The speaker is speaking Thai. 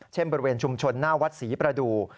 บริเวณชุมชนหน้าวัดศรีประดูก